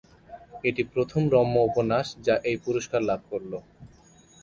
এটি প্রথম রম্য উপন্যাস যা এই পুরস্কার লাভ করলো।